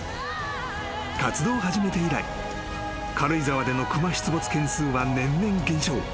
［活動を始めて以来軽井沢での熊出没件数は年々減少］